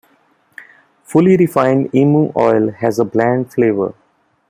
Fully refined emu oil has a bland flavor.